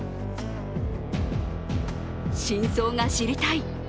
真相が知りたい！